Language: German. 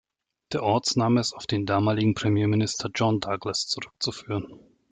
Der Ortsname ist auf den damaligen Premierminister, John Douglas, zurückzuführen.